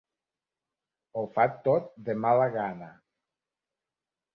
Ho fa tot de mala gana.